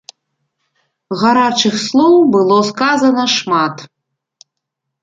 Гарачых слоў было сказана шмат.